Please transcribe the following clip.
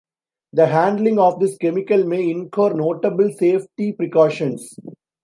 The handling of this chemical may incur notable safety precautions.